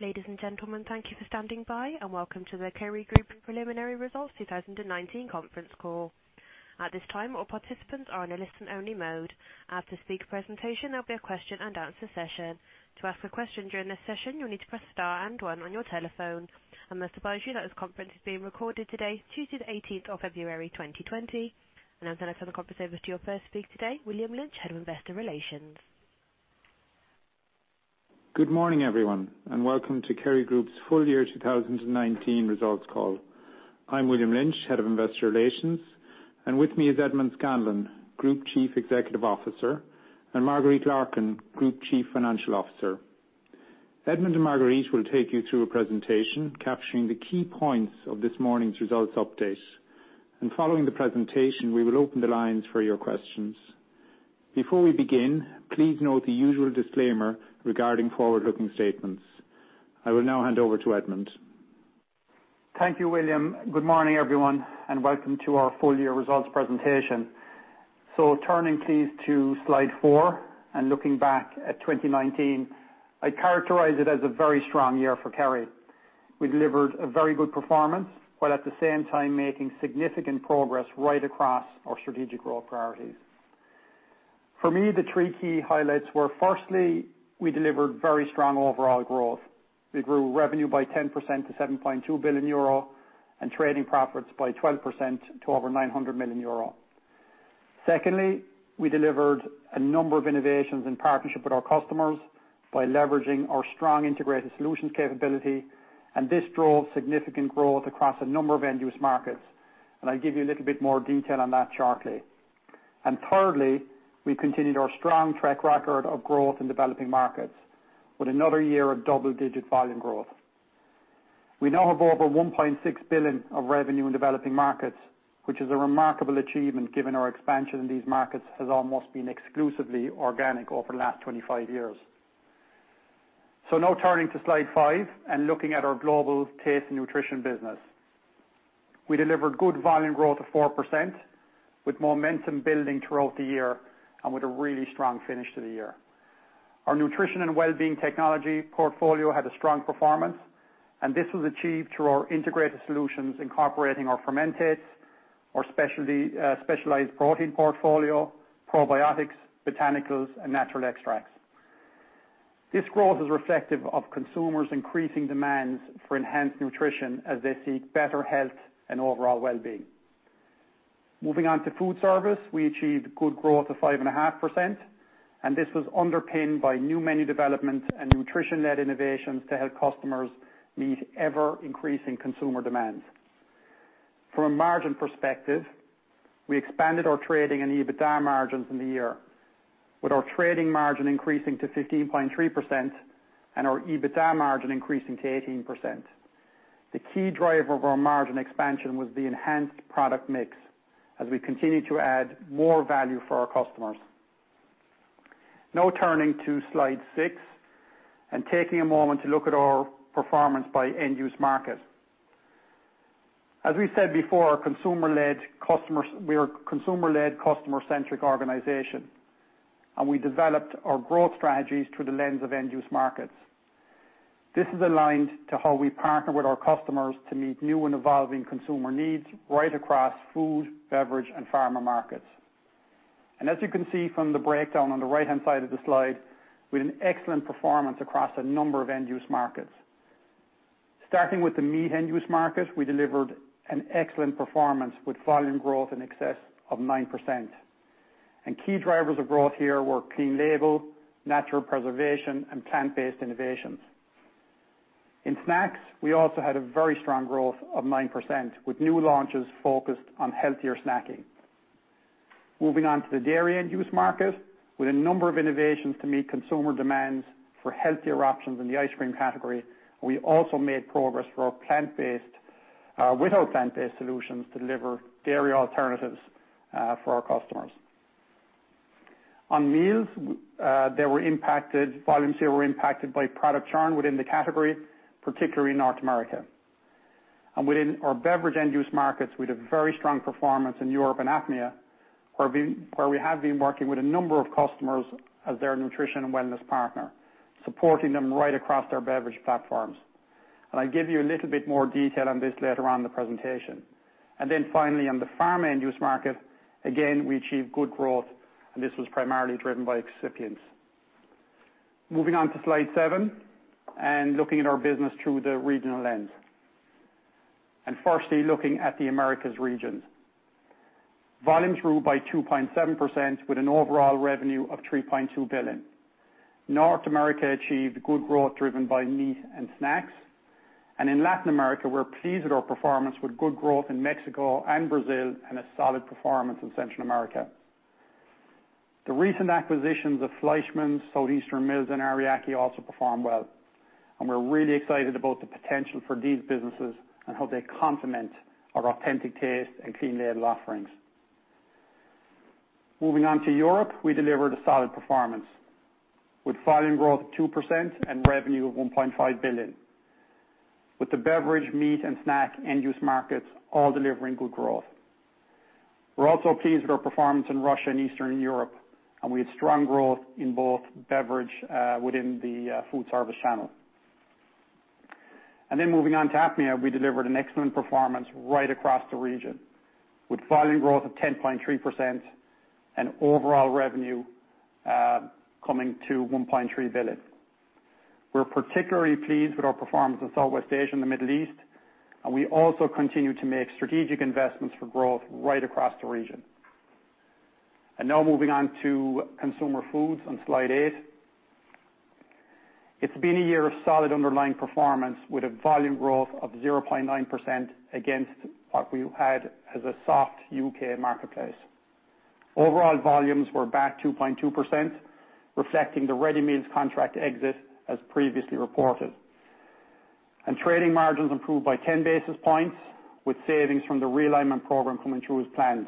Ladies and gentlemen, thank you for standing by, welcome to the Kerry Group preliminary results 2019 conference call. At this time, all participants are on a listen-only mode. After the speaker presentation, there'll be a question and answer session. To ask a question during this session, you'll need to press star and one on your telephone. I must advise you that this conference is being recorded today, Tuesday the 18th of February, 2020. I'll now turn the conference over to your first speaker today, William Lynch, Head of Investor Relations. Good morning, everyone, welcome to Kerry Group's full year 2019 results call. I'm William Lynch, Head of Investor Relations, and with me is Edmond Scanlon, Group Chief Executive Officer, and Marguerite Larkin, Group Chief Financial Officer. Edmond and Marguerite will take you through a presentation capturing the key points of this morning's results update. Following the presentation, we will open the lines for your questions. Before we begin, please note the usual disclaimer regarding forward-looking statements. I will now hand over to Edmond. Thank you, William. Good morning, everyone, and welcome to our full year results presentation. Turning please to slide four, and looking back at 2019, I characterize it as a very strong year for Kerry. We delivered a very good performance, while at the same time making significant progress right across our strategic growth priorities. For me, the three key highlights were, firstly, we delivered very strong overall growth. We grew revenue by 10% to 7.2 billion euro, and trading profits by 12% to over 900 million euro. Secondly, we delivered a number of innovations in partnership with our customers by leveraging our strong integrated solutions capability, and this drove significant growth across a number of end-use markets. I'll give you a little bit more detail on that shortly. Thirdly, we continued our strong track record of growth in developing markets with another year of double-digit volume growth. We now have over 1.6 billion of revenue in developing markets, which is a remarkable achievement given our expansion in these markets has almost been exclusively organic over the last 25 years. Now turning to slide five and looking at Taste & Nutrition business. we delivered good volume growth of 4%, with momentum building throughout the year, and with a really strong finish to the year. Our nutrition and well-being technology portfolio had a strong performance, and this was achieved through our integrated solutions incorporating our fermentates, our specialized protein portfolio, probiotics, botanicals, and natural extracts. This growth is reflective of consumers' increasing demands for enhanced nutrition as they seek better health and overall well-being. Moving on to foodservice, we achieved good growth of 5.5%, and this was underpinned by new menu development and nutrition-led innovations to help customers meet ever-increasing consumer demands. From a margin perspective, we expanded our trading and EBITDA margins in the year, with our trading margin increasing to 15.3% and our EBITDA margin increasing to 18%. The key driver of our margin expansion was the enhanced product mix as we continue to add more value for our customers. Turning to slide six, and taking a moment to look at our performance by end-use market. We said before, we are a consumer-led, customer-centric organization, and we developed our growth strategies through the lens of end-use markets. This is aligned to how we partner with our customers to meet new and evolving consumer needs right across food, beverage, and pharma markets. As you can see from the breakdown on the right-hand side of the slide, we had an excellent performance across a number of end-use markets. Starting with the meat end-use market, we delivered an excellent performance with volume growth in excess of 9%. Key drivers of growth here were clean label, natural preservation, and plant-based innovations. In snacks, we also had a very strong growth of 9%, with new launches focused on healthier snacking. Moving on to the dairy end-use market, with a number of innovations to meet consumer demands for healthier options in the ice cream category, we also made progress with our plant-based solutions to deliver dairy alternatives for our customers. On meals, volumes here were impacted by product churn within the category, particularly in North America. Within our beverage end-use markets, we had a very strong performance in Europe and APMEA, where we have been working with a number of customers as their nutrition and wellness partner, supporting them right across their beverage platforms. I give you a little bit more detail on this later on in the presentation. Then finally on the pharma end-use market, again, we achieved good growth, and this was primarily driven by excipients. Moving on to slide seven and looking at our business through the regional lens. Firstly, looking at the Americas region. Volumes grew by 2.7% with an overall revenue of 3.2 billion. North America achieved good growth driven by meat and snacks. In Latin America, we're pleased at our performance with good growth in Mexico and Brazil, and a solid performance in Central America. The recent acquisitions of Fleischmann's, Southeastern Mills, and Ariake also performed well, and we're really excited about the potential for these businesses and how they complement our authentic taste and clean label offerings. Moving on to Europe, we delivered a solid performance with volume growth of 2% and revenue of 1.5 billion. With the beverage, meat, and snack end use markets all delivering good growth. We are also pleased with our performance in Russia and Eastern Europe. We have strong growth in both beverage, within the foodservice channel. Moving on to APMEA, we delivered an excellent performance right across the region with volume growth of 10.3% and overall revenue coming to 1.3 billion. We are particularly pleased with our performance in Southwest Asia and the Middle East, and we also continue to make strategic investments for growth right across the region. Moving on to consumer foods on slide eight. It has been a year of solid underlying performance with a volume growth of 0.9% against what we had as a soft U.K. marketplace. Overall volumes were back 2.2%, reflecting the ready meals contract exit as previously reported. Trading margins improved by 10 basis points, with savings from the realignment program coming through as planned.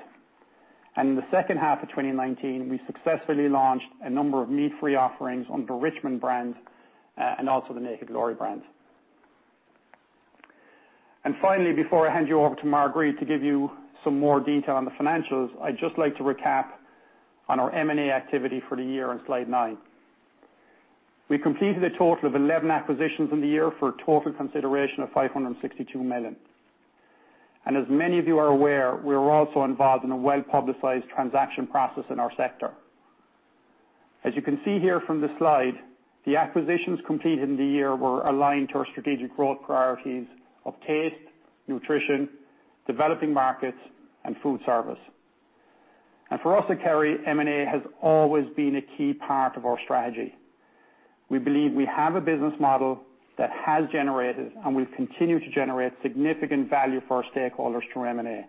In the second half of 2019, we successfully launched a number of meat-free offerings under Richmond brand, and also the Naked Glory brand. Finally, before I hand you over to Marguerite to give you some more detail on the financials, I'd just like to recap on our M&A activity for the year on slide nine. We completed a total of 11 acquisitions in the year for a total consideration of 562 million. As many of you are aware, we were also involved in a well-publicized transaction process in our sector. As you can see here from the slide, the acquisitions completed in the year were aligned to our strategic Taste & Nutrition, developing markets, and foodservice. For us at Kerry, M&A has always been a key part of our strategy. We believe we have a business model that has generated, and will continue to generate significant value for our stakeholders through M&A.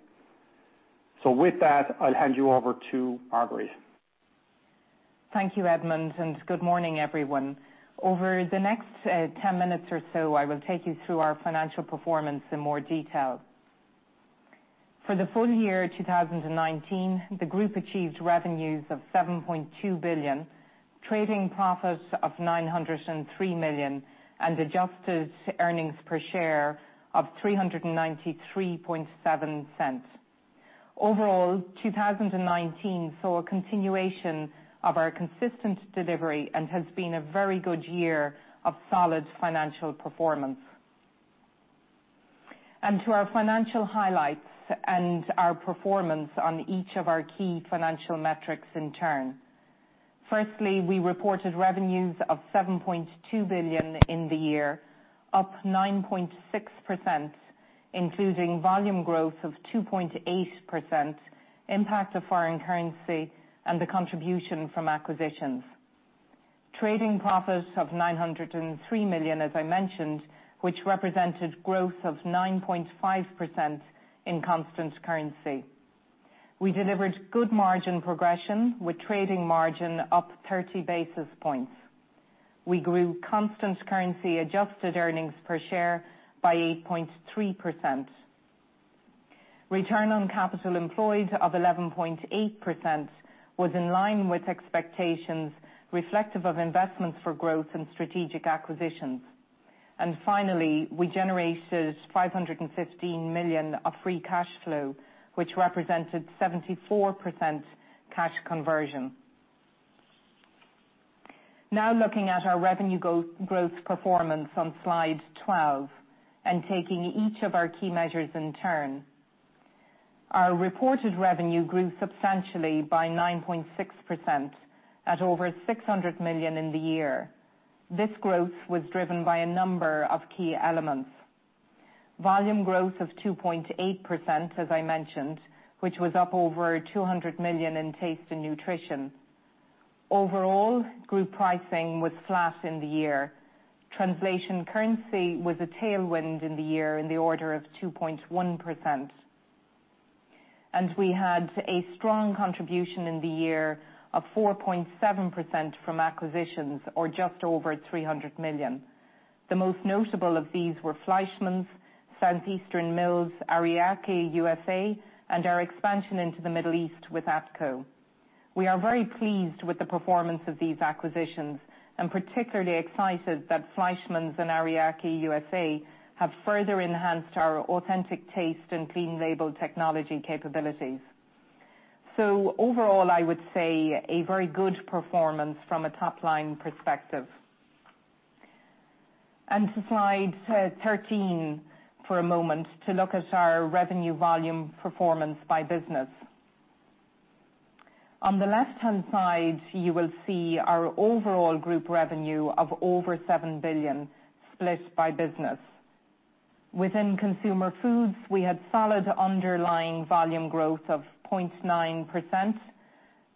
With that, I'll hand you over to Marguerite. Thank you, Edmond, and good morning, everyone. Over the next 10 minutes or so, I will take you through our financial performance in more detail. For the full year 2019, the group achieved revenues of 7.2 billion, trading profits of 903 million, and adjusted earnings per share of 3.937. Overall, 2019 saw a continuation of our consistent delivery and has been a very good year of solid financial performance. To our financial highlights and our performance on each of our key financial metrics in turn. Firstly, we reported revenues of 7.2 billion in the year, up 9.6%, including volume growth of 2.8%, impact of foreign currency, and the contribution from acquisitions. Trading profits of 903 million, as I mentioned, which represented growth of 9.5% in constant currency. We delivered good margin progression with trading margin up 30 basis points. We grew constant currency adjusted earnings per share by 8.3%. Return on capital employed of 11.8% was in line with expectations reflective of investments for growth and strategic acquisitions. Finally, we generated 515 million of free cash flow, which represented 74% cash conversion. Now looking at our revenue growth performance on slide 12, and taking each of our key measures in turn. Our reported revenue grew substantially by 9.6% at over 600 million in the year. This growth was driven by a number of key elements. Volume growth of 2.8%, as I mentioned, which was up over 200 Taste & Nutrition. overall, group pricing was flat in the year. Translation currency was a tailwind in the year in the order of 2.1%. We had a strong contribution in the year of 4.7% from acquisitions, or just over 300 million. The most notable of these were Fleischmann's, Southeastern Mills, Ariake USA, and our expansion into the Middle East with AATCO. We are very pleased with the performance of these acquisitions, and particularly excited that Fleischmann's and Ariake USA have further enhanced our authentic taste and clean label technology capabilities. Overall, I would say a very good performance from a top-line perspective. On to slide 13 for a moment to look at our revenue volume performance by business. On the left-hand side, you will see our overall group revenue of over 7 billion split by business. Within consumer foods, we had solid underlying volume growth of 0.9%,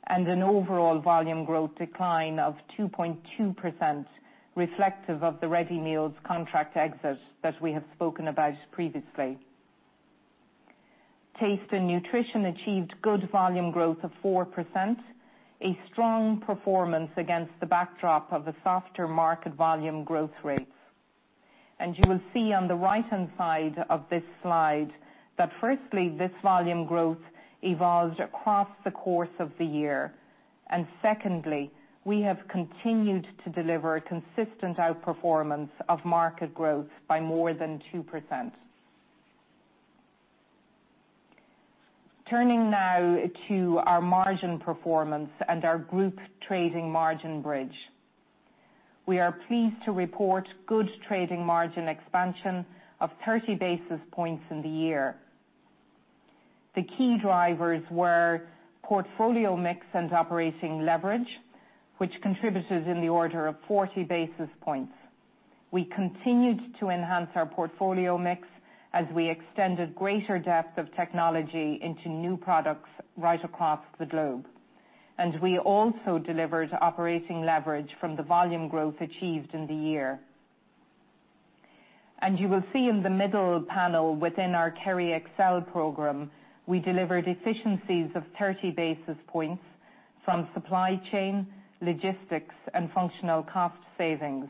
and an overall volume growth decline of 2.2%, reflective of the ready meals contract exit that we have spoken Taste & Nutrition achieved good volume growth of 4%, a strong performance against the backdrop of the softer market volume growth rates. You will see on the right-hand side of this slide that firstly, this volume growth evolved across the course of the year. Secondly, we have continued to deliver consistent outperformance of market growth by more than 2%. Turning now to our margin performance and our group trading margin bridge. We are pleased to report good trading margin expansion of 30 basis points in the year. The key drivers were portfolio mix and operating leverage, which contributed in the order of 40 basis points. We continued to enhance our portfolio mix as we extended greater depth of technology into new products right across the globe. We also delivered operating leverage from the volume growth achieved in the year. You will see in the middle panel within our Kerry Excel program, we delivered efficiencies of 30 basis points from supply chain, logistics, and functional cost savings,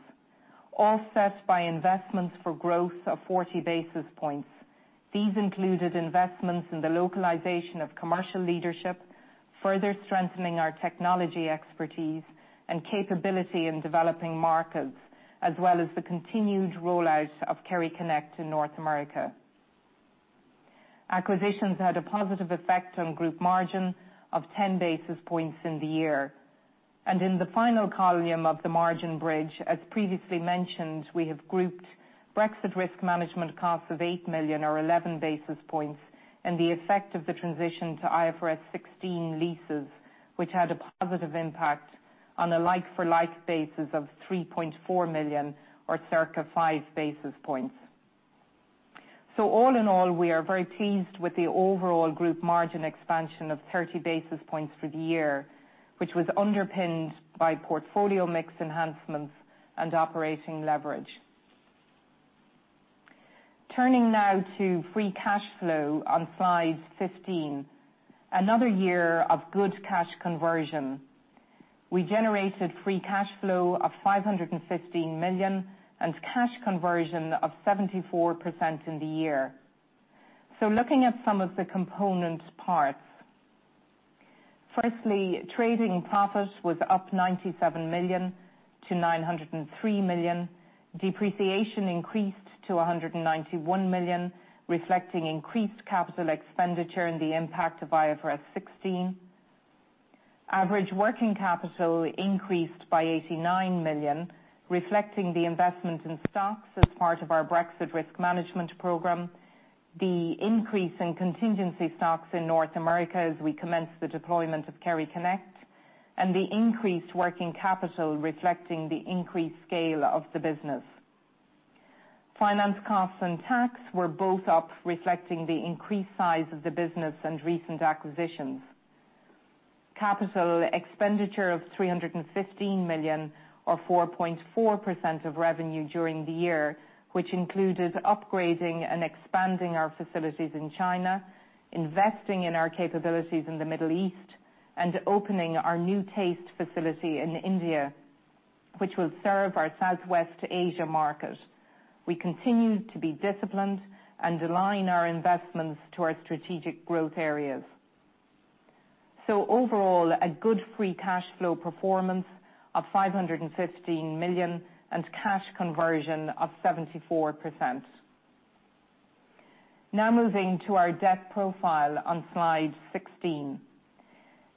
offset by investments for growth of 40 basis points. These included investments in the localization of commercial leadership, further strengthening our technology expertise and capability in developing markets, as well as the continued rollout of KerryConnect in North America. Acquisitions had a positive effect on group margin of 10 basis points in the year. In the final column of the margin bridge, as previously mentioned, we have grouped Brexit risk management costs of 8 million or 11 basis points, and the effect of the transition to IFRS 16 leases, which had a positive impact on a like-for-like basis of 3.4 million or circa five basis points. All in all, we are very pleased with the overall group margin expansion of 30 basis points for the year, which was underpinned by portfolio mix enhancements and operating leverage. Turning now to free cash flow on slide 15. Another year of good cash conversion. We generated free cash flow of 515 million and cash conversion of 74% in the year. Looking at some of the component parts. Firstly, trading profit was up 97 million-903 million. Depreciation increased to 191 million, reflecting increased capital expenditure and the impact of IFRS 16. Average working capital increased by 89 million, reflecting the investment in stocks as part of our Brexit risk management program, the increase in contingency stocks in North America as we commenced the deployment of KerryConnect, and the increased working capital reflecting the increased scale of the business. Finance costs and tax were both up, reflecting the increased size of the business and recent acquisitions. Capital expenditure of 315 million or 4.4% of revenue during the year, which included upgrading and expanding our facilities in China, investing in our capabilities in the Middle East, and opening our new taste facility in India, which will serve our Southwest Asia market. We continued to be disciplined and align our investments to our strategic growth areas. Overall, a good free cash flow performance of 515 million and cash conversion of 74%. Moving to our debt profile on slide 16.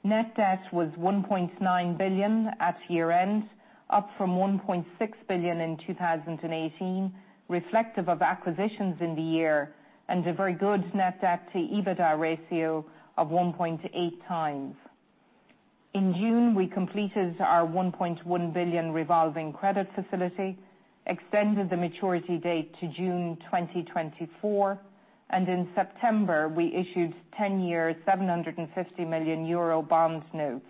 Net debt was 1.9 billion at year-end, up from 1.6 billion in 2018, reflective of acquisitions in the year and a very good net debt to EBITDA ratio of 1.8x. In June, we completed our 1.1 billion revolving credit facility, extended the maturity date to June 2024, and in September, we issued 10-year, 750 million euro bond notes.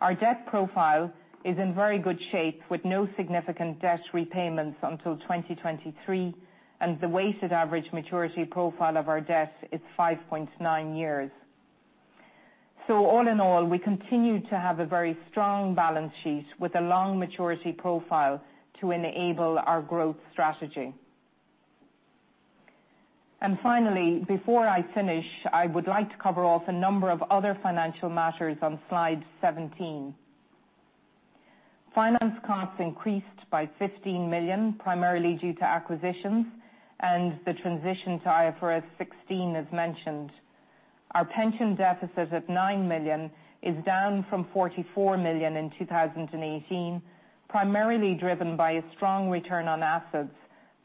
Our debt profile is in very good shape with no significant debt repayments until 2023, and the weighted average maturity profile of our debt is 5.9 years. All in all, we continue to have a very strong balance sheet with a long maturity profile to enable our growth strategy. Finally, before I finish, I would like to cover off a number of other financial matters on slide 17. Finance costs increased by 15 million, primarily due to acquisitions and the transition to IFRS 16 as mentioned. Our pension deficit of 9 million is down from 44 million in 2018, primarily driven by a strong return on assets,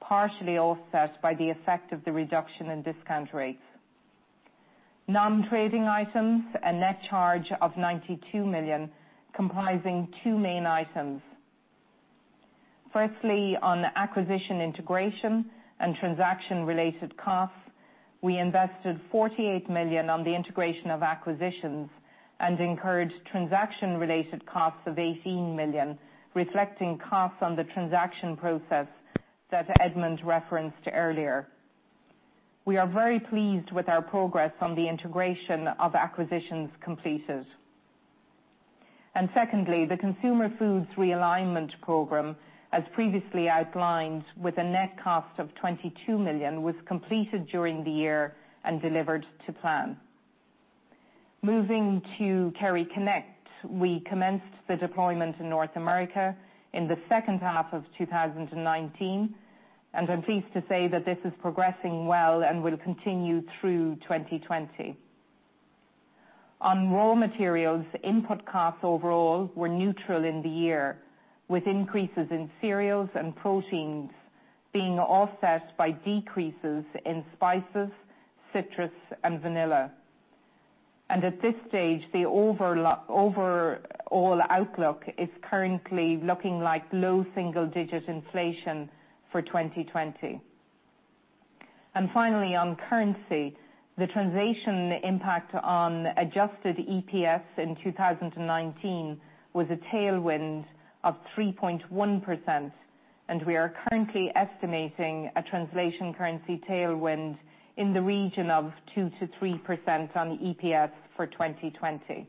partially offset by the effect of the reduction in discount rates. Nontrading items, a net charge of 92 million, comprising two main items. Firstly, on acquisition integration and transaction-related costs, we invested 48 million on the integration of acquisitions and incurred transaction-related costs of 18 million, reflecting costs on the transaction process that Edmond referenced earlier. We are very pleased with our progress on the integration of acquisitions completed. Secondly, the consumer foods realignment program, as previously outlined, with a net cost of 22 million, was completed during the year and delivered to plan. Moving to KerryConnect, we commenced the deployment in North America in the second half of 2019, and I'm pleased to say that this is progressing well and will continue through 2020. On raw materials, input costs overall were neutral in the year, with increases in cereals and proteins being offset by decreases in spices, citrus, and vanilla. At this stage, the overall outlook is currently looking like low single-digit inflation for 2020. Finally, on currency, the translation impact on adjusted EPS in 2019 was a tailwind of 3.1%, and we are currently estimating a translation currency tailwind in the region of 2%-3% on the EPS for 2020.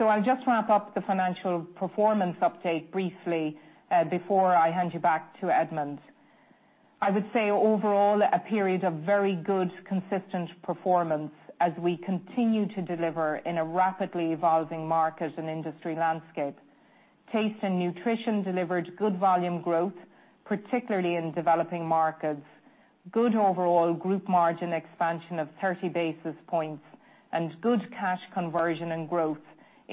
I'll just wrap up the financial performance update briefly, before I hand you back to Edmond. I would say overall, a period of very good consistent performance as we continue to deliver in a rapidly evolving market and Taste & Nutrition delivered good volume growth, particularly in developing markets, good overall group margin expansion of 30 basis points, and good cash conversion and growth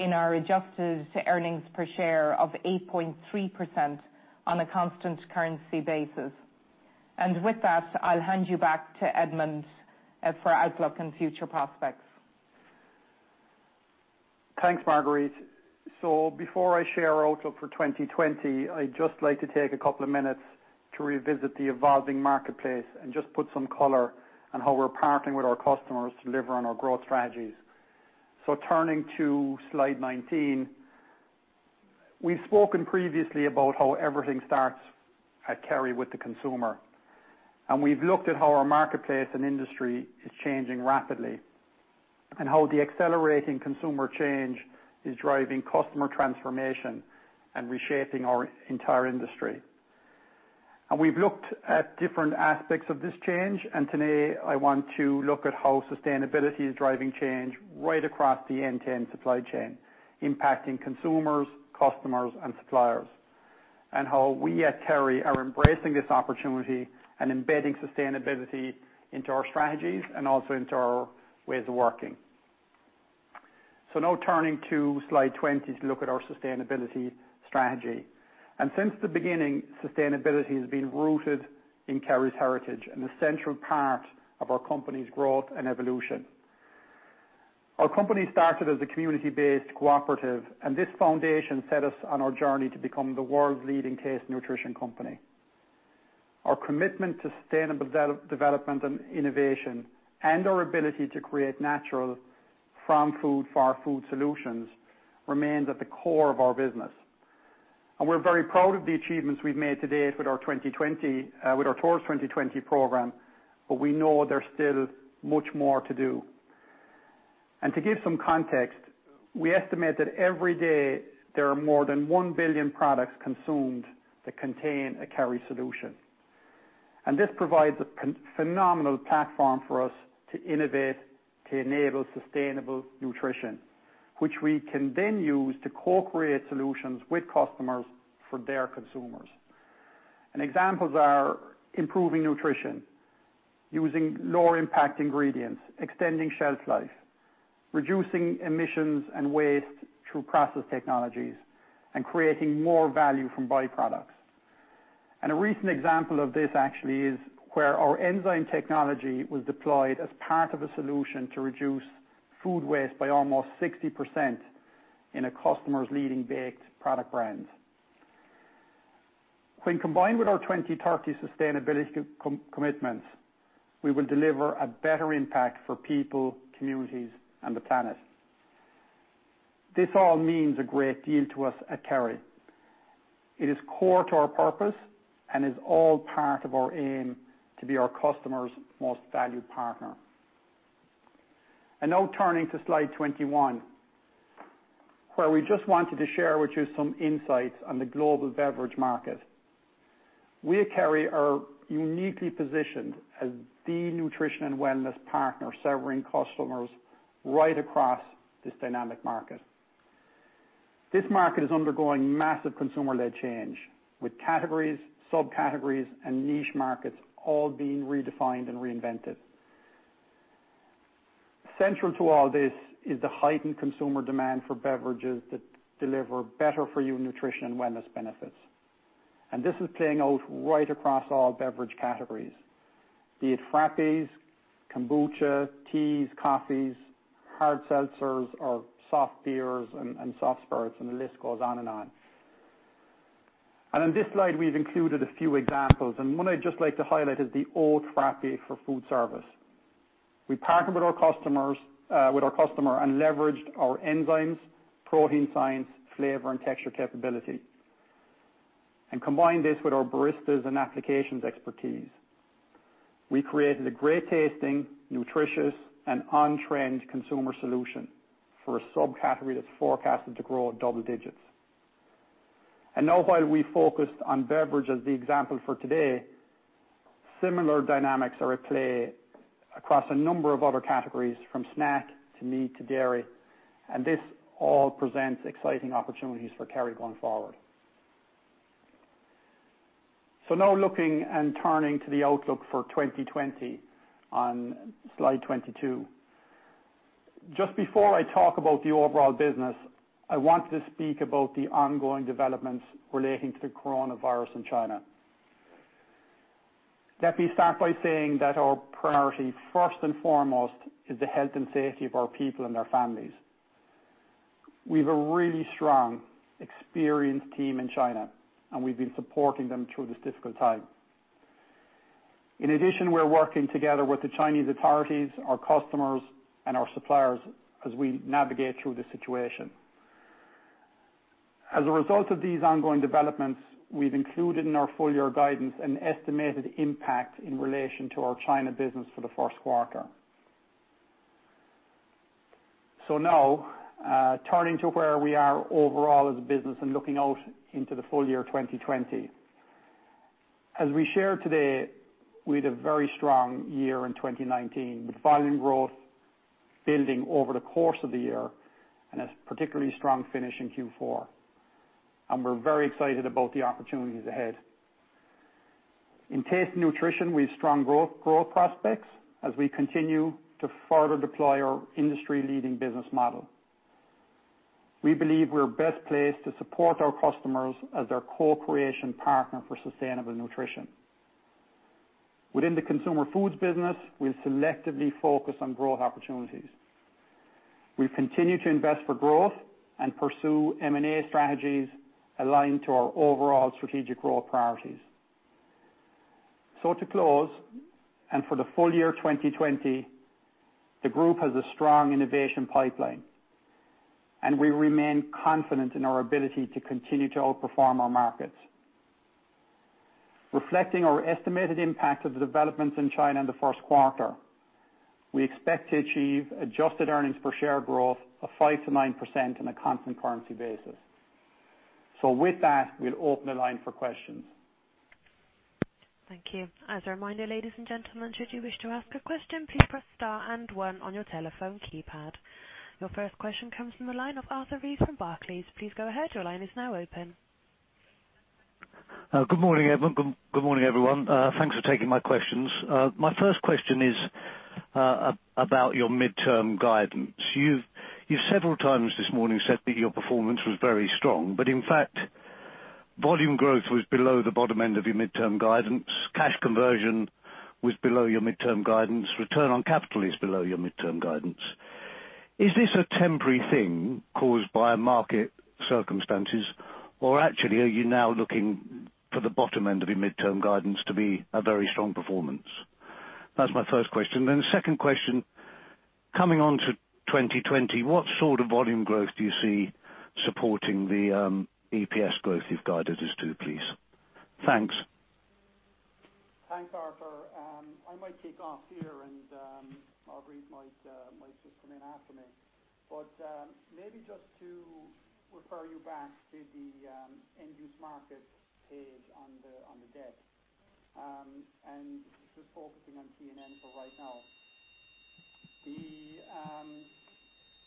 in our adjusted earnings per share of 8.3% on a constant currency basis. With that, I'll hand you back to Edmond for outlook and future prospects. Thanks, Marguerite. Before I share our outlook for 2020, I'd just like to take a couple of minutes to revisit the evolving marketplace and just put some color on how we're partnering with our customers to deliver on our growth strategies. Turning to slide 19, we've spoken previously about how everything starts at Kerry with the consumer. We've looked at how our marketplace and industry is changing rapidly, and how the accelerating consumer change is driving customer transformation and reshaping our entire industry. We've looked at different aspects of this change, and today I want to look at how sustainability is driving change right across the end-to-end supply chain, impacting consumers, customers, and suppliers, and how we at Kerry are embracing this opportunity and embedding sustainability into our strategies and also into our ways of working. Now turning to slide 20 to look at our sustainability strategy. Since the beginning, sustainability has been rooted in Kerry's heritage and a central part of our company's growth and evolution. Our company started as a community-based cooperative, and this foundation set us on our journey to become the Taste & Nutrition company. our commitment to sustainable development and innovation, and our ability to create natural from-food-for-our-food solutions remains at the core of our business. We're very proud of the achievements we've made to date with our Towards 2020 program, but we know there's still much more to do. To give some context, we estimate that every day there are more than 1 billion products consumed that contain a Kerry solution. This provides a phenomenal platform for us to innovate, to enable sustainable nutrition, which we can then use to co-create solutions with customers for their consumers. Examples are improving nutrition, using lower impact ingredients, extending shelf life, reducing emissions and waste through process technologies, and creating more value from byproducts. A recent example of this actually is where our enzyme technology was deployed as part of a solution to reduce food waste by almost 60% in a customer's leading baked product brands. When combined with our 2030 sustainability commitments, we will deliver a better impact for people, communities, and the planet. This all means a great deal to us at Kerry. It is core to our purpose and is all part of our aim to be our customers' most valued partner. Now turning to slide 21, where we just wanted to share with you some insights on the global beverage market. We at Kerry are uniquely positioned as the nutrition and wellness partner, serving customers right across this dynamic market. This market is undergoing massive consumer-led change, with categories, subcategories, and niche markets all being redefined and reinvented. Central to all this is the heightened consumer demand for beverages that deliver better-for-you nutrition and wellness benefits. This is playing out right across all beverage categories, be it frappés, kombucha, teas, coffees, hard seltzers or soft beers and soft spirits, and the list goes on and on. On this slide, we've included a few examples, and one I'd just like to highlight is the oat frappé for foodservice. We partnered with our customer and leveraged our enzymes, protein science, flavor, and texture capability. Combine this with our baristas and applications expertise. We created a great tasting, nutritious, and on-trend consumer solution for a subcategory that's forecasted to grow at double digits. Now while we focused on beverage as the example for today, similar dynamics are at play across a number of other categories, from snack to meat to dairy, and this all presents exciting opportunities for Kerry going forward. Now looking and turning to the outlook for 2020 on slide 22. Just before I talk about the overall business, I want to speak about the ongoing developments relating to the coronavirus in China. Let me start by saying that our priority, first and foremost, is the health and safety of our people and their families. We have a really strong, experienced team in China, and we've been supporting them through this difficult time. In addition, we're working together with the Chinese authorities, our customers, and our suppliers as we navigate through this situation. As a result of these ongoing developments, we've included in our full-year guidance an estimated impact in relation to our China business for the first quarter. Now, turning to where we are overall as a business and looking out into the full year 2020. As we shared today, we had a very strong year in 2019, with volume growth building over the course of the year and a particularly strong finish in Q4. We're very excited about the opportunities Taste & Nutrition, we have strong growth prospects as we continue to further deploy our industry-leading business model. We believe we're best placed to support our customers as their co-creation partner for sustainable nutrition. Within the consumer foods business, we'll selectively focus on growth opportunities. We've continued to invest for growth and pursue M&A strategies aligned to our overall strategic growth priorities. To close, and for the full year 2020, the group has a strong innovation pipeline, and we remain confident in our ability to continue to outperform our markets. Reflecting our estimated impact of the developments in China in the first quarter, we expect to achieve adjusted earnings per share growth of 5%-9% on a constant currency basis. With that, we'll open the line for questions. Thank you. As a reminder, ladies and gentlemen, should you wish to ask a question, please press star and one on your telephone keypad. Your first question comes from the line of Arthur Reeves from Barclays. Please go ahead, your line is now open. Good morning, everyone. Thanks for taking my questions. My first question is about your midterm guidance. You've several times this morning said that your performance was very strong, but in fact, volume growth was below the bottom end of your midterm guidance. Cash conversion was below your midterm guidance. Return on capital is below your midterm guidance. Is this a temporary thing caused by market circumstances, or actually, are you now looking for the bottom end of your midterm guidance to be a very strong performance? That's my first question. The second question, coming on to 2020, what sort of volume growth do you see supporting the EPS growth you've guided us to, please? Thanks. Thanks, Arthur. I might kick off here and Marguerite might just come in after me. Maybe just to refer you back to the end-use market page on the deck, and just focusing on T&N for right now.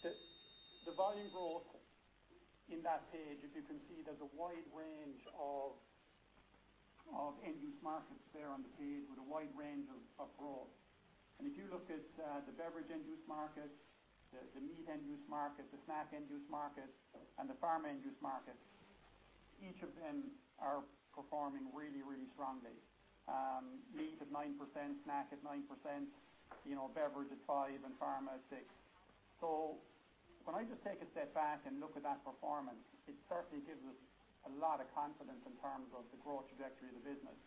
The volume growth in that page, if you can see, there's a wide range of end-use markets there on the page with a wide range of growth. If you look at the beverage end-use market, the meat end-use market, the snack end-use market, and the pharma end-use market, each of them are performing really, really strongly. Meat at 9%, snack at 9%, beverage at 5%, and pharma at 6%. When I just take a step back and look at that performance, it certainly gives us a lot of confidence in terms of the growth trajectory of the business.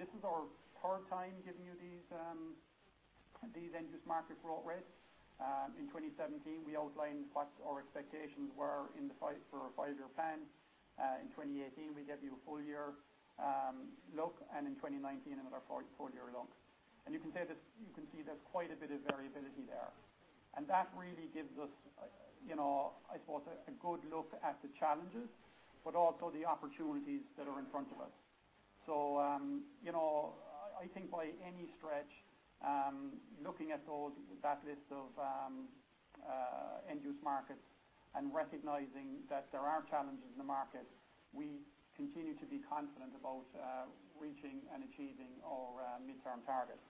This is our third time giving you these end-use market growth rates. In 2017, we outlined what our expectations were for a five-year plan. In 2018, we gave you a full year look, and in 2019, another full year look. You can see there's quite a bit of variability there. That really gives us, I suppose, a good look at the challenges, but also the opportunities that are in front of us. I think by any stretch, looking at that list of end-use markets and recognizing that there are challenges in the market, we continue to be confident about reaching and achieving our midterm targets.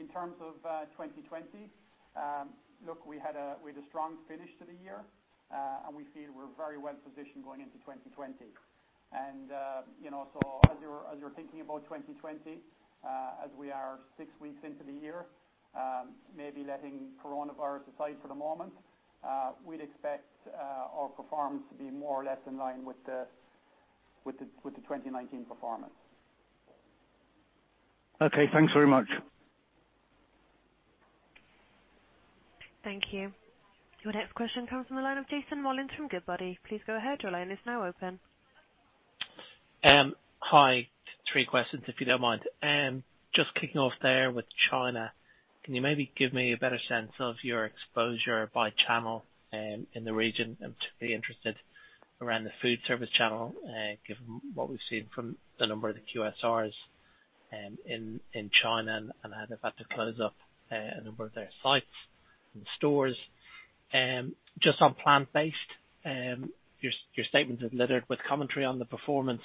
In terms of 2020, look, we had a strong finish to the year. We feel we're very well positioned going into 2020. As you're thinking about 2020, as we are six weeks into the year, maybe letting coronavirus aside for the moment, we'd expect our performance to be more or less in line with the 2019 performance. Okay. Thanks very much. Thank you. Your next question comes from the line of Jason Molins from Goodbody. Please go ahead. Your line is now open. Hi, three questions, if you don't mind. Kicking off there with China, can you maybe give me a better sense of your exposure by channel in the region? I'm particularly interested around the food service channel, given what we've seen from the number of the QSRs in China and how they've had to close up a number of their sites and stores. On plant-based, your statement is littered with commentary on the performance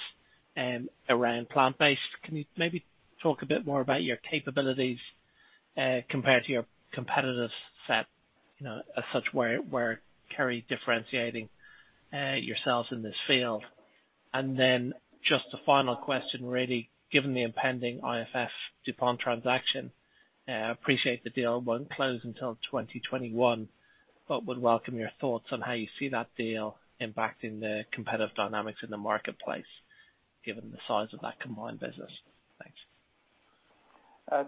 around plant-based. Can you maybe talk a bit more about your capabilities compared to your competitive set, as such, where Kerry differentiating yourselves in this field? A final question, really, given the impending IFF-DuPont transaction. I appreciate the deal won't close until 2021, would welcome your thoughts on how you see that deal impacting the competitive dynamics in the marketplace, given the size of that combined business. Thanks.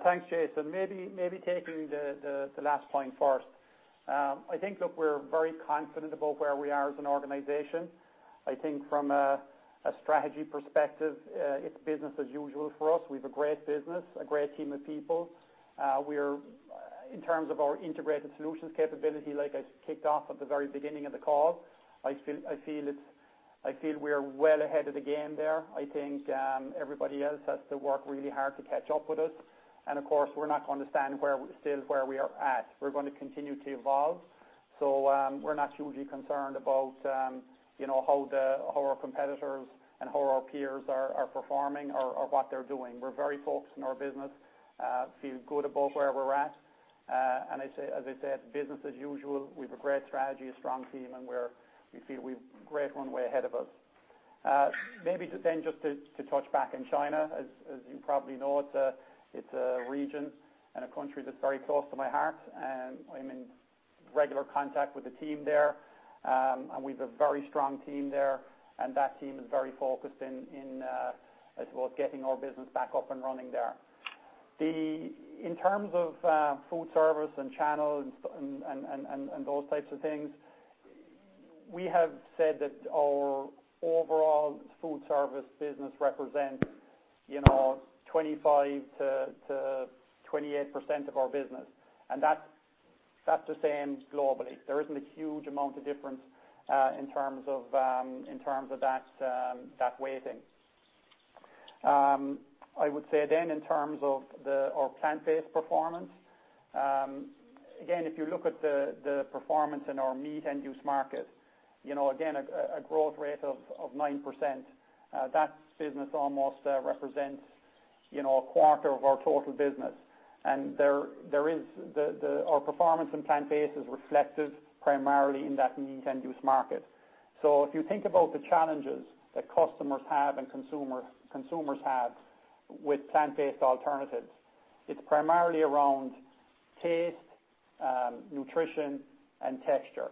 Thanks, Jason. Maybe taking the last point first. I think, look, we're very confident about where we are as an organization. I think from a strategy perspective, it's business as usual for us. We've a great business, a great team of people. In terms of our integrated solutions capability, like I kicked off at the very beginning of the call, I feel we are well ahead of the game there. I think everybody else has to work really hard to catch up with us. Of course, we're not going to stand still where we are at. We're going to continue to evolve. We're not hugely concerned about how well our competitors and how our peers are performing or what they're doing. We're very focused on our business, feel good about where we're at. As I said, business as usual. We've a great strategy, a strong team, and we feel we've great runway ahead of us. Maybe just to touch back in China, as you probably know, it's a region and a country that's very close to my heart. I'm in regular contact with the team there. We've a very strong team there, and that team is very focused in, I suppose, getting our business back up and running there. In terms of food service and channels and those types of things, we have said that our overall food service business represents 25%-28% of our business, and that's the same globally. There isn't a huge amount of difference in terms of that weighting. I would say then in terms of our plant-based performance, again, if you look at the performance in our meat end-use market, again, a growth rate of 9%. That business almost represents a quarter of our total business. Our performance in plant-based is reflected primarily in that meat end-use market. If you think about the challenges that customers have and consumers have with plant-based alternatives, it's primarily around taste, nutrition, and texture.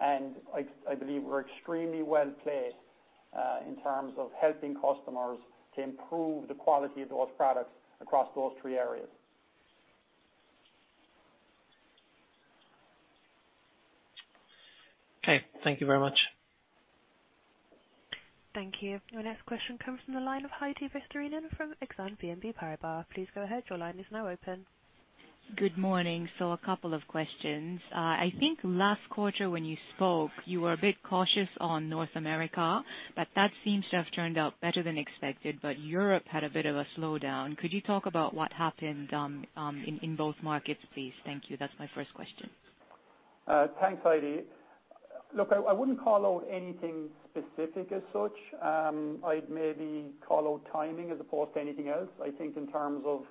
I believe we're extremely well-placed in terms of helping customers to improve the quality of those products across those three areas. Okay. Thank you very much. Thank you. Your next question comes from the line of Heidi Vesterinen from Exane BNP Paribas. Please go ahead. Your line is now open. Good morning. A couple of questions. I think last quarter when you spoke, you were a bit cautious on North America, but that seems to have turned out better than expected, but Europe had a bit of a slowdown. Could you talk about what happened in both markets, please? Thank you. That's my first question. Thanks, Heidi. Look, I wouldn't call out anything specific as such. I'd maybe call out timing as opposed to anything else. I think in terms of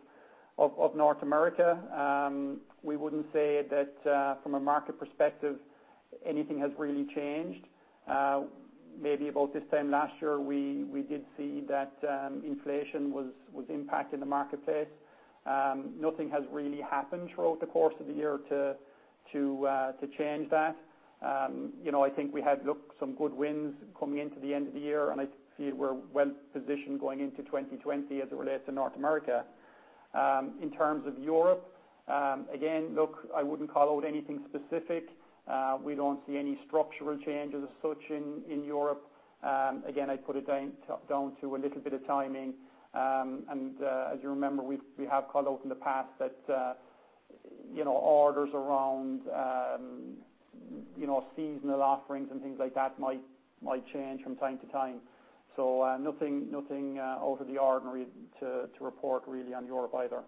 North America, we wouldn't say that from a market perspective, anything has really changed. Maybe about this time last year, we did see that inflation was impacting the marketplace. Nothing has really happened throughout the course of the year to change that. I think we had some good wins coming into the end of the year, and I feel we're well positioned going into 2020 as it relates to North America. In terms of Europe, again, look, I wouldn't call out anything specific. We don't see any structural changes as such in Europe. Again, I'd put it down to a little bit of timing. As you remember, we have called out in the past that orders around seasonal offerings and things like that might change from time to time. Nothing out of the ordinary to report really on Europe either.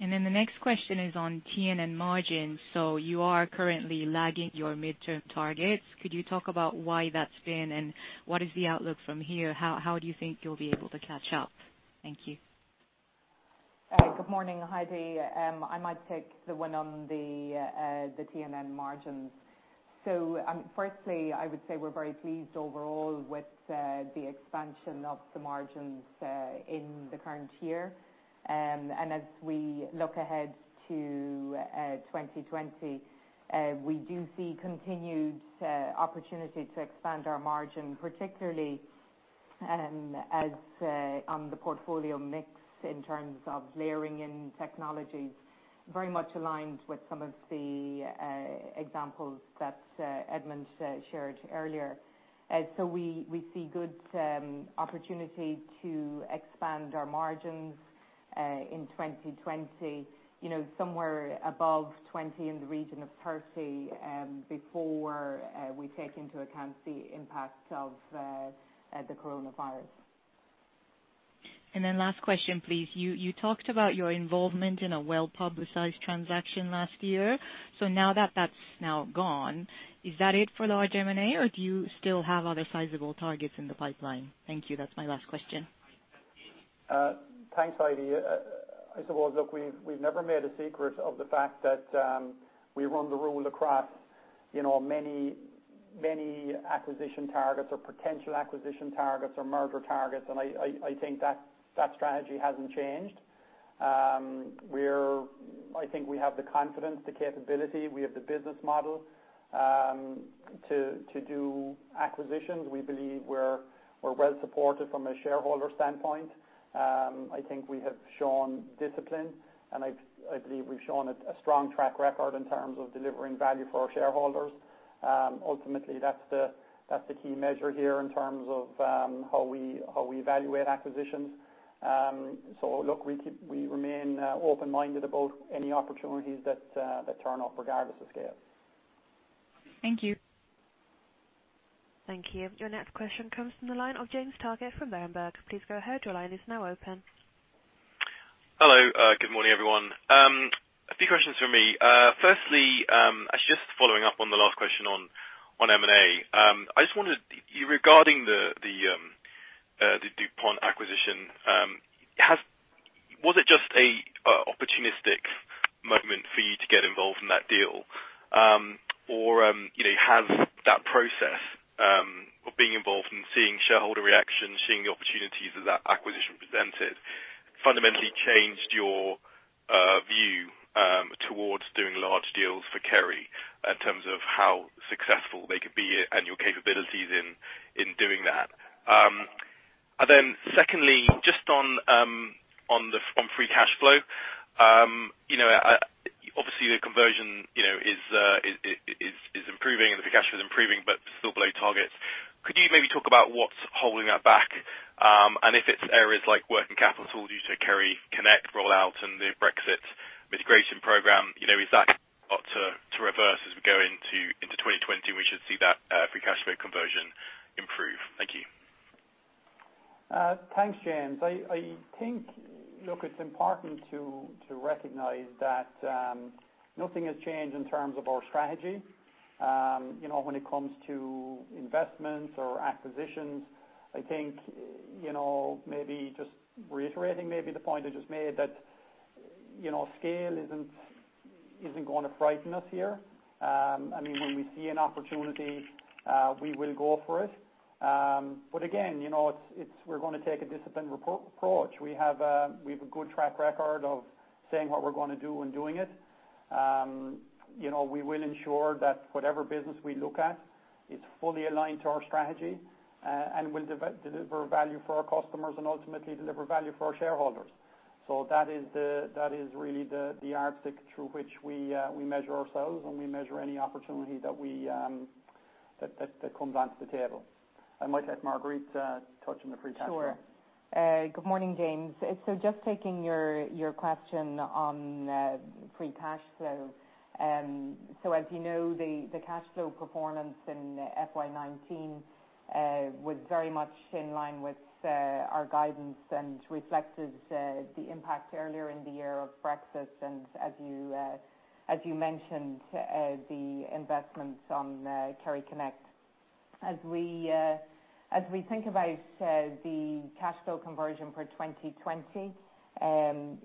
The next question is on T&N margins. You are currently lagging your midterm targets. Could you talk about why that's been, and what is the outlook from here? How do you think you'll be able to catch up? Thank you. Good morning, Heidi. I might take the one on the T&N margins. Firstly, I would say we're very pleased overall with the expansion of the margins in the current year. As we look ahead to 2020, we do see continued opportunity to expand our margin, particularly on the portfolio mix in terms of layering in technologies, very much aligned with some of the examples that Edmond shared earlier. We see good opportunity to expand our margins in 2020, somewhere above 20%, in the region of 30%, before we take into account the impact of the coronavirus. Last question, please. You talked about your involvement in a well-publicized transaction last year. Now that that's now gone, is that it for large M&A, or do you still have other sizable targets in the pipeline? Thank you. That's my last question. Thanks, Heidi. I suppose, look, we've never made a secret of the fact that we run the rule across many acquisition targets or potential acquisition targets or merger targets. I think that strategy hasn't changed. I think we have the confidence, the capability, we have the business model to do acquisitions. We believe we're well supported from a shareholder standpoint. I think we have shown discipline. I believe we've shown a strong track record in terms of delivering value for our shareholders. Ultimately, that's the key measure here in terms of how we evaluate acquisitions. Look, we remain open-minded about any opportunities that turn up regardless of scale. Thank you. Thank you. Your next question comes from the line of James Targett from Berenberg. Please go ahead. Your line is now open. Hello. Good morning, everyone. A few questions from me. I was just following up on the last question on M&A. I just wondered, regarding the DuPont acquisition, was it just a opportunistic moment for you to get involved in that deal? Has that process of being involved and seeing shareholder reaction, seeing the opportunities that that acquisition presented, fundamentally changed your view towards doing large deals for Kerry in terms of how successful they could be and your capabilities in doing that? Just on free cash flow. Obviously, the conversion is improving and the free cash flow is improving, but still below target. Could you maybe talk about what's holding that back? If it's areas like working capital due to KerryConnect rollout and the Brexit mitigation program, is that got to reverse as we go into 2020, we should see that free cash flow conversion improve. Thank you. Thanks, James. I think it's important to recognize that nothing has changed in terms of our strategy. When it comes to investments or acquisitions, I think, maybe just reiterating maybe the point I just made, that scale isn't going to frighten us here. Again, we're going to take a disciplined approach. We have a good track record of saying what we're going to do and doing it. We will ensure that whatever business we look at is fully aligned to our strategy and will deliver value for our customers and ultimately deliver value for our shareholders. That is really the metric through which we measure ourselves and we measure any opportunity that comes onto the table. I might let Marguerite touch on the free cash flow. Sure. Good morning, James. Just taking your question on free cash flow. As you know, the cash flow performance in FY 2019 was very much in line with our guidance and reflected the impact earlier in the year of Brexit and as you mentioned, the investments on KerryConnect. As we think about the cash flow conversion for 2020,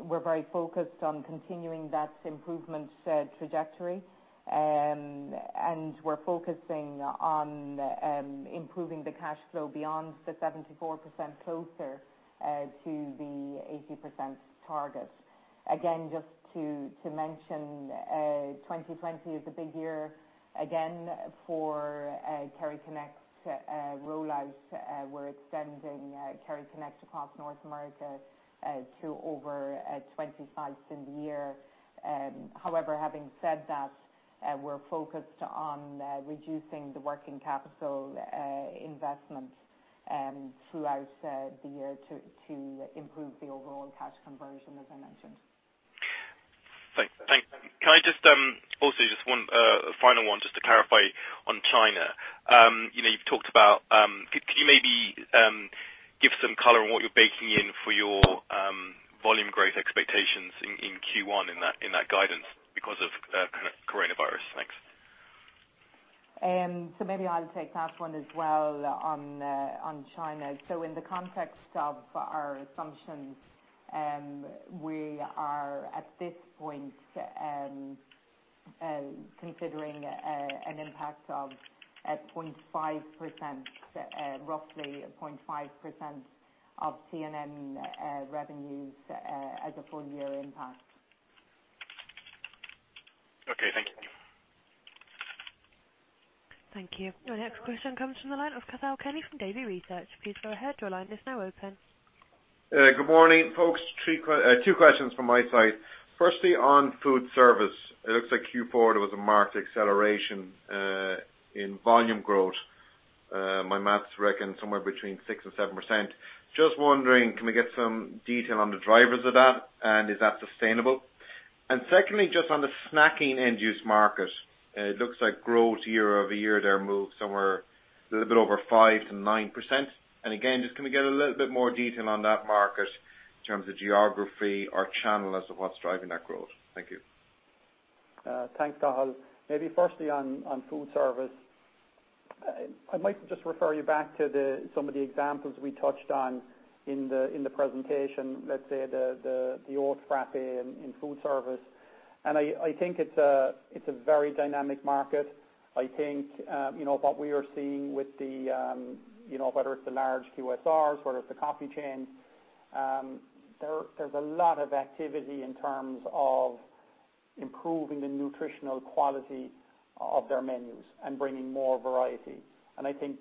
we're very focused on continuing that improvement trajectory, and we're focusing on improving the cash flow beyond the 74% closer to the 80% target. Just to mention, 2020 is a big year again for KerryConnect's rollout. We're extending KerryConnect across North America to over 20 sites in the year. However, having said that, we're focused on reducing the working capital investment throughout the year to improve the overall cash conversion, as I mentioned. Thanks. Can I just also just one final one just to clarify on China. Can you maybe give some color on what you're baking in for your volume growth expectations in Q1 in that guidance because of coronavirus? Thanks. Maybe I'll take that one as well on China. In the context of our assumptions, we are at this point considering an impact of 0.5%, roughly 0.5% of T&N revenues as a full year impact. Okay, thank you. Thank you. The next question comes from the line of Cathal Kenny from Davy Research. Please go ahead, your line is now open. Good morning, folks. Two questions from my side. Firstly, on food service, it looks like Q4, there was a marked acceleration in volume growth. My math reckon somewhere between 6% and 7%. Just wondering, can we get some detail on the drivers of that, and is that sustainable? Secondly, just on the snacking end-use market, it looks like growth year-over-year there moved somewhere a little bit over 5% to 9%. Again, just can we get a little bit more detail on that market in terms of geography or channel as to what's driving that growth? Thank you. Thanks, Cathal. Maybe firstly on foodservice, I might just refer you back to some of the examples we touched on in the presentation, let's say the oat frappé in foodservice. I think it's a very dynamic market. I think what we are seeing with the, whether it's the large QSRs, whether it's the coffee chains, there's a lot of activity in terms of improving the nutritional quality of their menus and bringing more variety. I think,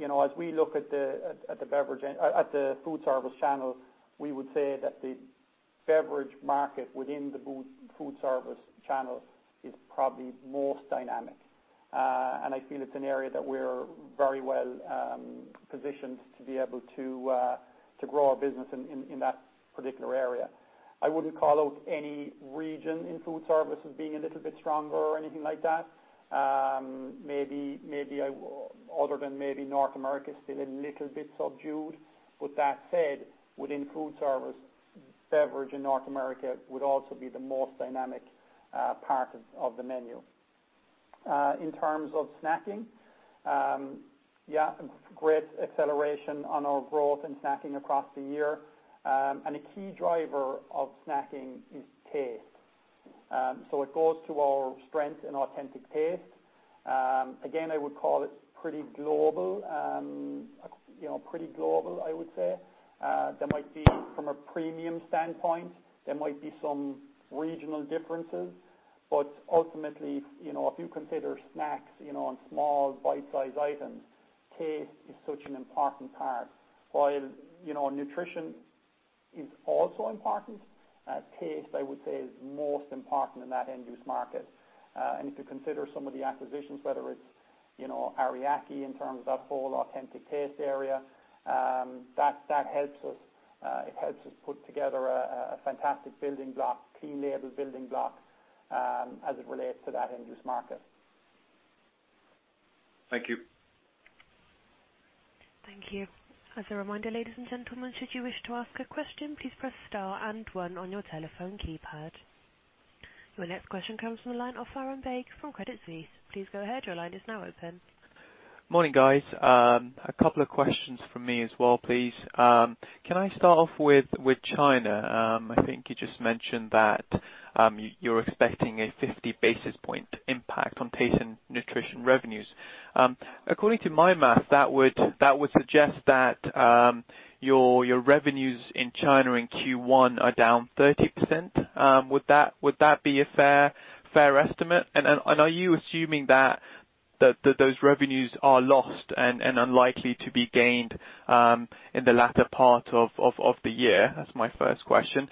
as we look at the foodservice channel, we would say that the beverage market within the foodservice channel is probably most dynamic. I feel it's an area that we're very well positioned to be able to grow our business in that particular area. I wouldn't call out any region in foodservice as being a little bit stronger or anything like that. Other than maybe North America is still a little bit subdued. With that said, within food service, beverage in North America would also be the most dynamic part of the menu. In terms of snacking, yeah, great acceleration on our growth in snacking across the year. A key driver of snacking is taste. It goes to our strength in authentic taste. Again, I would call it pretty global, I would say. From a premium standpoint, there might be some regional differences, but ultimately, if you consider snacks and small bite-size items, taste is such an important part. While nutrition is also important, taste, I would say, is most important in that end-use market. If you consider some of the acquisitions, whether it's Ariake in terms of that whole authentic taste area, that helps us. It helps us put together a fantastic building block, clean label building block, as it relates to that end-use market. Thank you. Thank you. As a reminder, ladies and gentlemen, should you wish to ask a question, please press star and one on your telephone keypad. Your next question comes from the line of Faham Baig from Credit Suisse. Please go ahead. Your line is now open. Morning, guys. A couple of questions from me as well, please. Can I start off with China? I think you just mentioned that you're expecting a 50 basis point Taste & Nutrition revenues. according to my math, that would suggest that your revenues in China in Q1 are down 30%. Would that be a fair estimate? Are you assuming that those revenues are lost and unlikely to be gained in the latter part of the year? That's my first question.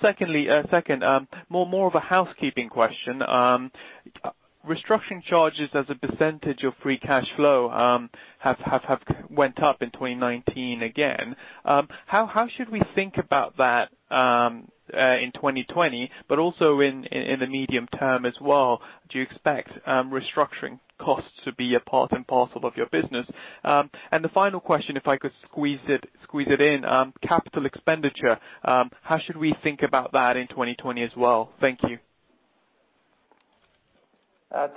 Secondly, more of a housekeeping question. Restructuring charges as a percentage of free cash flow have went up in 2019 again. How should we think about that in 2020, but also in the medium term as well? Do you expect restructuring costs to be a part and parcel of your business? The final question, if I could squeeze it in, capital expenditure, how should we think about that in 2020 as well? Thank you.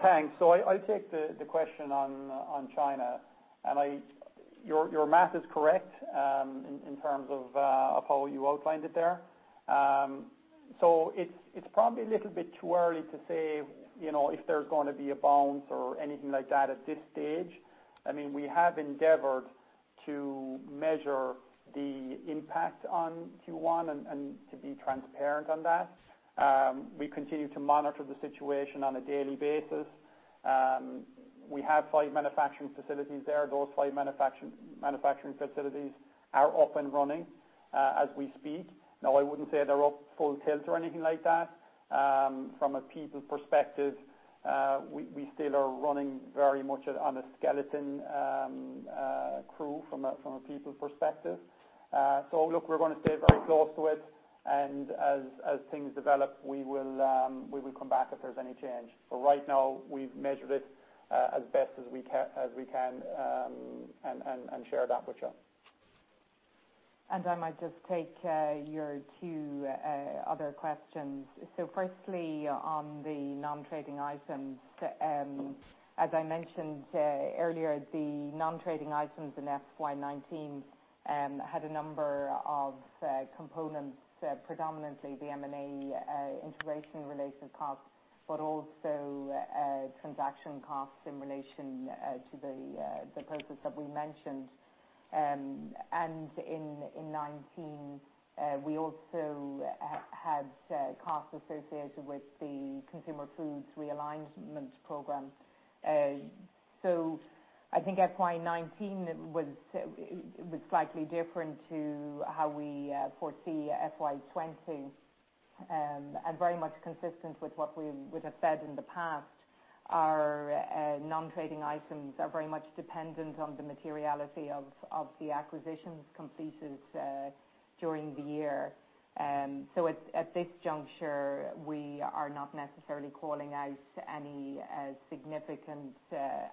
Thanks. I'll take the question on China. Your math is correct in terms of how you outlined it there. It's probably a little bit too early to say if there's going to be a bounce or anything like that at this stage. We have endeavored to measure the impact on Q1 and to be transparent on that. We continue to monitor the situation on a daily basis. We have five manufacturing facilities there. Those five manufacturing facilities are up and running as we speak. Now, I wouldn't say they're up full tilt or anything like that. From a people perspective, we still are running very much on a skeleton crew from a people perspective. Look, we're going to stay very close to it, and as things develop, we will come back if there's any change. Right now, we've measured it as best as we can and shared that with you. I might just take your two other questions. Firstly, on the non-trading items. As I mentioned earlier, the non-trading items in FY 2019 had a number of components, predominantly the M&A integration related costs, but also transaction costs in relation to the process that we mentioned. In 2019, we also had costs associated with the consumer foods realignment program. I think FY 2019 was slightly different to how we foresee FY 2020, and very much consistent with what we would have said in the past. Our non-trading items are very much dependent on the materiality of the acquisitions completed during the year. At this juncture, we are not necessarily calling out any significant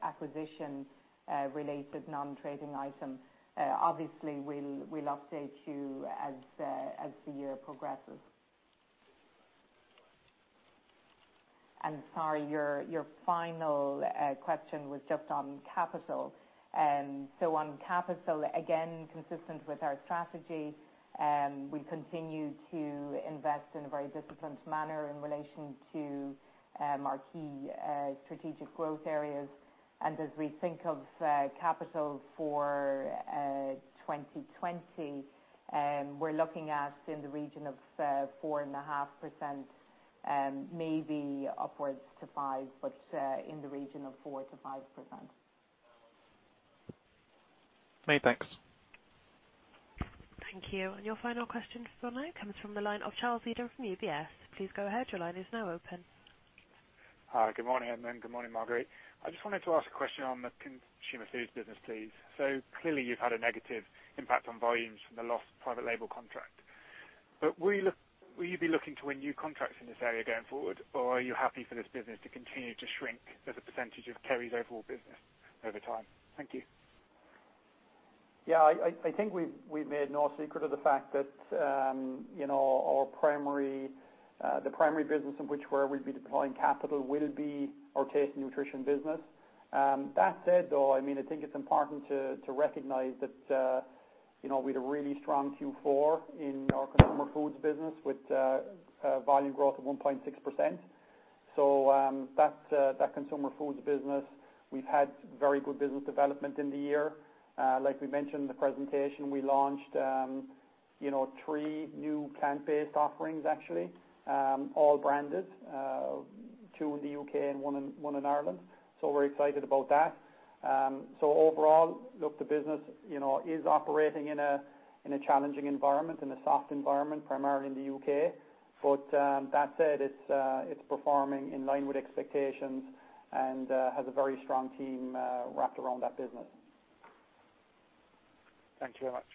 acquisition-related non-trading item. Obviously, we'll update you as the year progresses. Sorry, your final question was just on capital. On capital, again, consistent with our strategy, we continue to invest in a very disciplined manner in relation to our key strategic growth areas. As we think of capital for 2020, we're looking at in the region of 4.5%, maybe upwards to 5%, but in the region of 4%-5%. Many thanks. Thank you. Your final question for now comes from the line of Charles Eden from UBS. Please go ahead, your line is now open. Hi, good morning, Edmond. Good morning, Marguerite. I just wanted to ask a question on the consumer foods business, please. Clearly you've had a negative impact on volumes from the lost private label contract. Will you be looking to win new contracts in this area going forward, or are you happy for this business to continue to shrink as a percentage of Kerry's overall business over time? Thank you. Yeah, I think we've made no secret of the fact that the primary business in which where we'd be deploying capital will Taste & Nutrition business. that said, though, I think it's important to recognize that we had a really strong Q4 in our consumer foods business with volume growth of 1.6%. That consumer foods business, we've had very good business development in the year. Like we mentioned in the presentation, we launched three new plant-based offerings actually, all branded, two in the U.K. and one in Ireland. We're excited about that. Overall, look, the business is operating in a challenging environment, in a soft environment, primarily in the U.K. That said, it's performing in line with expectations and has a very strong team wrapped around that business. Thank you very much.